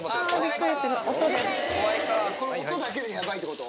音だけでやばいってこと？